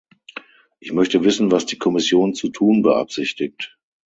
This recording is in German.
Ich möchte wissen, was die Kommission zu tun beabsichtigt.